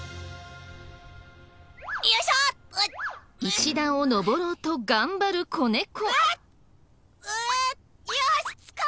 石段を登ろうと頑張る子猫。